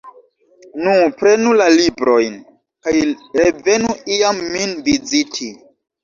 Nu, prenu la librojn kaj revenu iam min viziti.